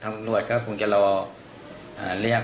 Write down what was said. แต่ก็คิดว่าเป็นใครหรอก